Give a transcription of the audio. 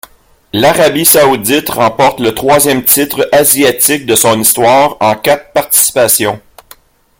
L'Arabie saoudite remporte le troisième titre asiatique de son histoire en quatre participations.